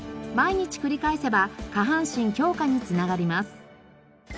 毎日繰り返せば下半身強化に繋がります。